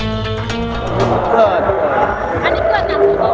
นี่แบบเด็กอยู่แฟนดี